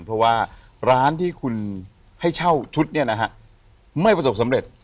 เพราะร้านที่คุณให้เช่าชุดไม่ประสบสำเร็จ